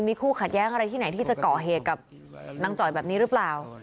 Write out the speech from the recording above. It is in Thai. มีคู่ขัดแย้งอะไรที่ไหนที่จะเกาะเหตุกับนางจ่อยแบบนี้หรือเปล่า